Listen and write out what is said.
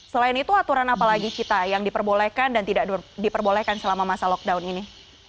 selain itu aturan apa lagi cita yang diperbolehkan dan tidak diperbolehkan selama masa lockdown ini